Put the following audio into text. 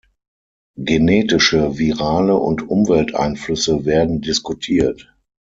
Genetische, virale und Umwelteinflüsse werden diskutiert.